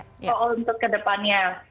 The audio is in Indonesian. soal untuk ke depannya